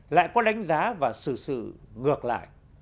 lại có đánh giá và xử xử ngược lại